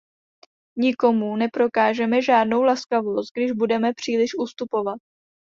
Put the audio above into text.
Nikomu neprokážeme žádnou laskavost, když budeme příliš ustupovat.